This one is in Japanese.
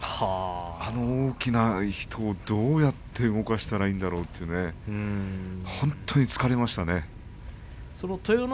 あの大きな人をどうやって動かしたらいいんだろうとその豊ノ